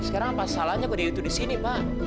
sekarang apa salahnya kok dewi tuh di sini pak